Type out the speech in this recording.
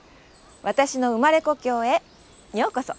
私の生まれ故郷へようこそ。